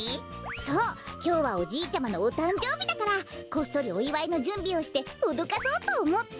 そうきょうはおじいちゃまのおたんじょうびだからこっそりおいわいのじゅんびをしておどかそうとおもって。